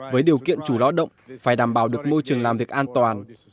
với điều kiện chủ lao động phải đảm bảo được môi trường làm việc an toàn